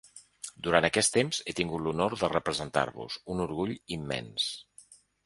Durant aquest temps he tingut l’honor de representar-vos, un orgull immens.